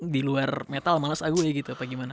di luar metal males aku ya gitu apa gimana